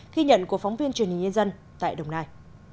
ghi nhận của phóng viên truyền hình nhân dân tại đồng nai